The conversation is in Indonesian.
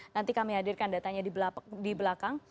nanti kami hadirkan datanya di belakang